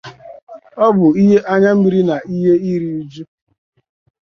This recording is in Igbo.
ọ bụ ihe anyammiri na ihe iru uju